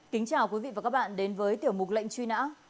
kính chào quý vị và các bạn đến với tiểu mục lệnh truy nã